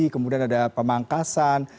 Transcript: kemudian ada pemangkasan